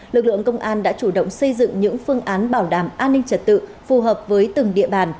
lực lượng công an đã chủ động xây dựng những phương án bảo đảm an ninh trật tự phù hợp với từng địa bàn